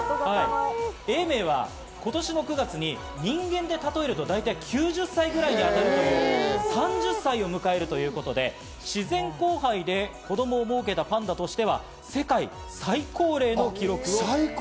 永明は今年の９月に人間で例えると大体９０歳ぐらいに当たる３０歳を迎えるということで、自然交配で子供をもうけたパンダとしては世界最高齢の記録。